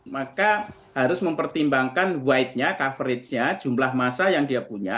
maka harus mempertimbangkan wide nya coverage nya jumlah masa yang dia punya